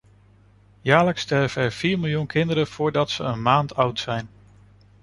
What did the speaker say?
Jaarlijks sterven er vier miljoen kinderen voordat ze een maand oud zijn.